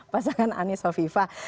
pasangan anies wafifah